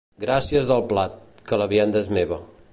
Gràcies del plat, que la vianda és meva.